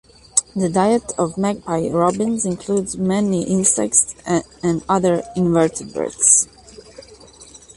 The diet of magpie robins includes mainly insects and other invertebrates.